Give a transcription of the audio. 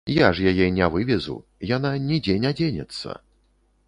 Я ж яе не вывезу, яна нідзе не дзенецца.